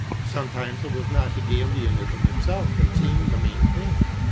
Sometimes it was not Hegelianism itself that seemed the main thing.